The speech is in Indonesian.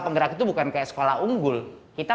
penggerak itu bukan kayak sekolah unggul kita